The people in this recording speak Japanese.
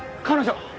彼女！